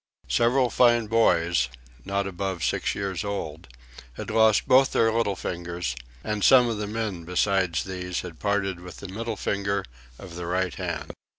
Several fine boys, not above six years old, had lost both their little fingers; and some of the men besides these had parted with the middle finger of the right hand.